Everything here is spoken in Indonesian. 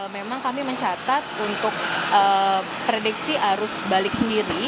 memang kami mencatat untuk prediksi arus balik sendiri